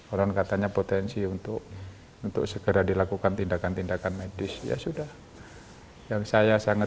orang katanya potensi untuk untuk segera dilakukan tindakan tindakan medis ya sudah yang saya sangat